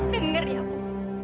denger ya bu